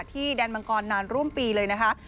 แดนมังกรนานร่วมปีเลยนะคะ